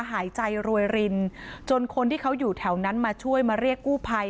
หายใจรวยรินจนคนที่เขาอยู่แถวนั้นมาช่วยมาเรียกกู้ภัย